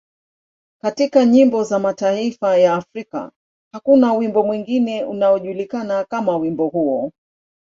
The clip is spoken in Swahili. Katika nyimbo za mataifa ya Afrika, hakuna wimbo mwingine unaojulikana kama wimbo huo.